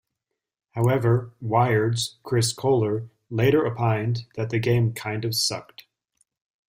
However, "Wired"s Chris Kohler later opined that the game "kind of sucked".